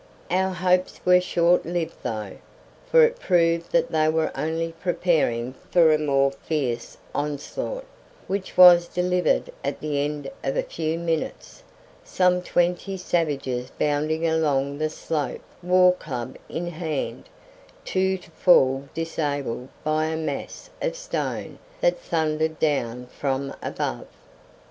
Our hopes were short lived though, for it proved that they were only preparing for a more fierce onslaught, which was delivered at the end of a few minutes, some twenty savages bounding along the slope war club in hand, two to fall disabled by a mass of stone that thundered down from above.